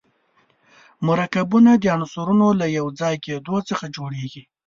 مرکبونه د عنصرونو له یو ځای کېدو څخه جوړیږي.